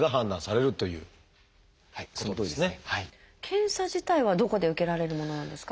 検査自体はどこで受けられるものなんですか？